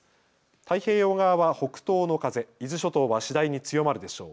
太平洋側は北東の風、伊豆諸島は次第に強まるでしょう。